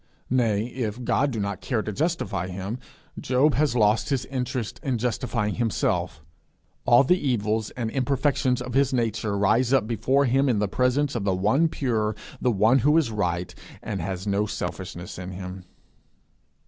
Nay, if God do not care to justify him, Job has lost his interest in justifying himself. All the evils and imperfections of his nature rise up before him in the presence of the one pure, the one who is right, and has no selfishness in him.